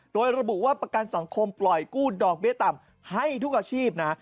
โดยระบุว่าประกันสังคมปล่อยกู้ดอกเบี้ยต่ำให้ทุกอาชีพนะ